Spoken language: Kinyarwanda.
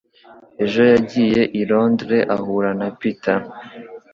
Ejo yagiye i Londres ahura na Peter